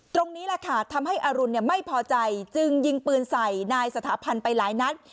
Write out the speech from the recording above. ตรงนี้แหละค่ะทำให้อรุณไม่พอใจจึงยิงปืนใส่นายสถาพันธ์ไปหลายนัด